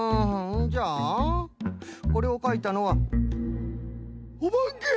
じゃあこれをかいたのはおばけ！？